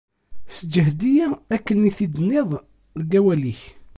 Sseǧhed-iyi akken i t-id-tenniḍ deg wawal-ik.